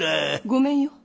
ごめんよ。